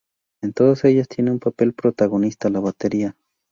En todas ellas tiene un papel protagonista la batería.